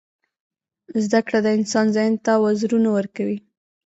• زده کړه د انسان ذهن ته وزرونه ورکوي.